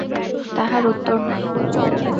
তাহার উত্তর নাই।